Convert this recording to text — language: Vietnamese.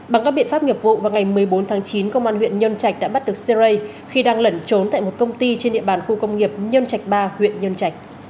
bằng các biện pháp nghiệp vụ vào ngày một mươi bốn tháng chín công an huyện nhơn trạch đã bắt được sê rê khi đang lẩn trốn tại một công ty trên địa bàn khu công nghiệp nhơn trạch ba huyện nhơn trạch